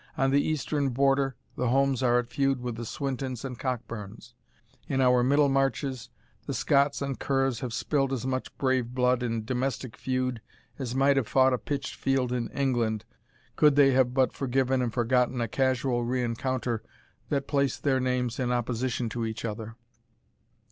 On the Eastern Border, the Homes are at feud with the Swintons and Cockburns; in our Middle Marches, the Scotts and Kerrs have spilled as much brave blood in domestic feud as might have fought a pitched field in England, could they have but forgiven and forgotten a casual rencounter that placed their names in opposition to each other.